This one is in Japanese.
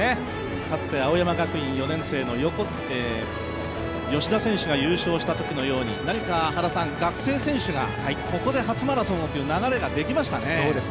かつて青山学院４年生の吉田選手が優勝したときのように学生選手がここで初マラソンをという流れができましたね。